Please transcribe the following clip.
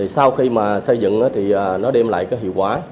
sau khi mà xây dựng thì nó đem lại cái hiệu quả